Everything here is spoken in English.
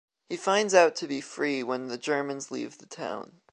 He finds out to be free when the Germans leave the town.